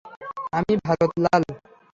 আমি ভারত লাল।